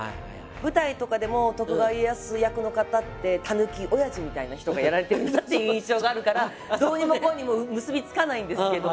舞台とかでも徳川家康役の方ってタヌキおやじみたいな人がやられてるなっていう印象があるからどうにもこうにも結び付かないんですけども。